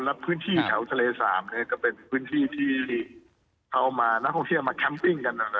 และพื้นที่แถวทะเลสามเนี่ยก็เป็นพื้นที่ที่เขามานักโครเชี่ยมาแคมปิ้งกันนะครับ